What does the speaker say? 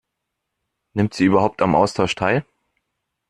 Nimmt sie überhaupt am Austausch teil?